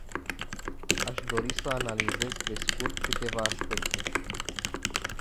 Aș dori să analizez pe scurt câteva aspecte.